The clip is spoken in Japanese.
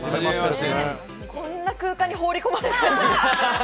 こんな空間に放り込まれて。